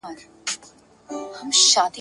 چی لېوه کړه د خره پښې ته خوله ورسمه !.